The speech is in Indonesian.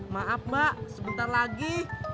maaf mbak sebentar lagi